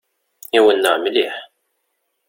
Iwenneɛ mliḥ!